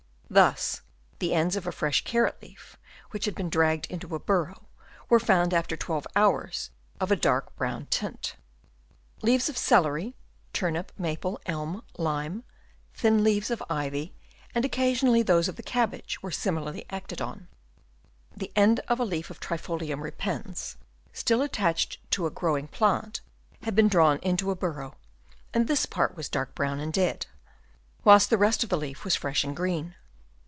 Thus the ends of a fresh carrot leaf, which had been dragged into a burrow, were found after twelve hours of a dark brown tint. Leaves of celery, turnip, maple, elm, lime, thin leaves of ivy, and occasionally those of the cabbage were similarly acted on. The end of a leaf of Triticum repens, still attached to a growing plant, had been drawn into a burrow, and this part was dark brown and dead, whilst the rest of the leaf was fresh and green.